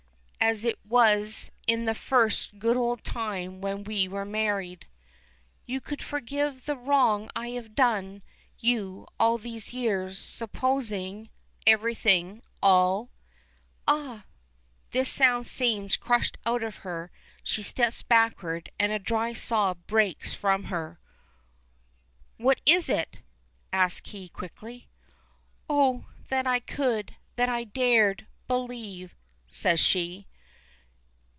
"As it was in the first good old time when we were married." "You, could forgive the wrong I have done you all these years, supposing " "Everything all." "Ah!" This sound seems crushed out of her. She steps backward, and a dry sob breaks from her. "What is it?" asks he, quickly. "Oh, that I could that I dared believe," says she.